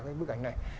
trong bức ảnh này